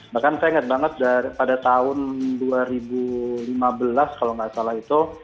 bahkan saya ingat banget pada tahun dua ribu lima belas kalau nggak salah itu